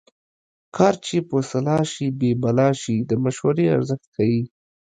کار چې په سلا شي بې بلا شي د مشورې ارزښت ښيي